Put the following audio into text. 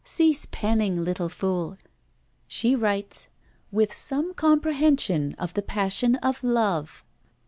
Cease penning, little fool! She writes, "with some comprehension of the passion of love."